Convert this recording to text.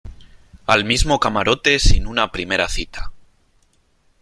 al mismo camarote sin una primera cita .